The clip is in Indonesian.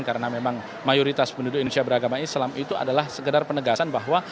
karena memang mayoritas penduduk indonesia beragama islam itu adalah sekedar penegasan bahwa